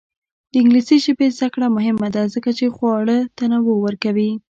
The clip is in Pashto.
د انګلیسي ژبې زده کړه مهمه ده ځکه چې خواړه تنوع ورکوي.